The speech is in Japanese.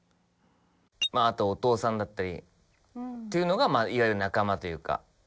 あと音尾さんだったりというのがいわゆる仲間というか。